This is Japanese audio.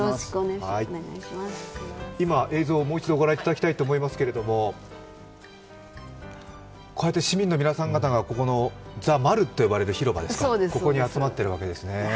今、映像をもう一度ご覧いただきたいと思いますけれども、こうやって市民の皆さん方がここのザ・マルと呼ばれる広場に集まっているわけですね。